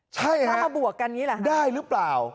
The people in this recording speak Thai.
ใช่ได้หรือเปล่า